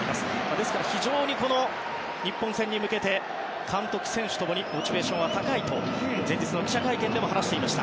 ですから非常に日本戦に向けて監督、選手共にモチベーションは高いと前日の記者会見でも話していました。